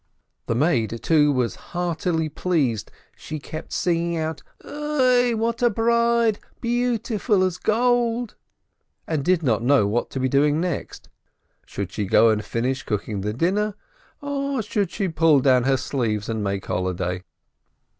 The maid, too, was heartily pleased, she kept on singing out, "Oi, what a bride, beautiful as gold !" and did not know what to be doing next — should she go and finish cooking the dinner, or should she pull down her sleeves and make holiday